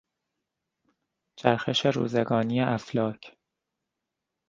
چرخش روزگانی افلاک